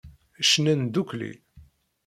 Cnan ddukkli.